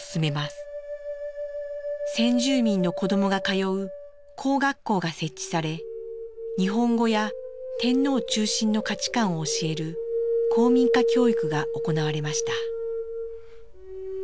先住民の子どもが通う公学校が設置され日本語や天皇中心の価値観を教える「皇民化教育」が行われました。